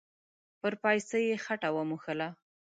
پر پايڅه يې خټه و موښله.